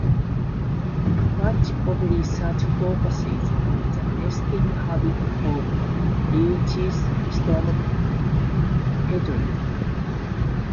Much of this research focuses on the nesting habits of Leach's storm-petrel.